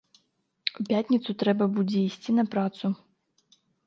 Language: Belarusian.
У пятніцу трэба будзе ісці на працу.